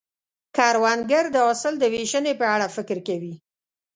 کروندګر د حاصل د ویشنې په اړه فکر کوي